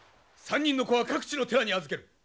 ３人の子は各地の寺に預ける。